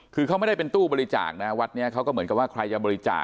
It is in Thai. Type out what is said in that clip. คือเขาไม่ได้เป็นตู้บริจาคนะวัดนี้เขาก็เหมือนกับว่าใครจะบริจาค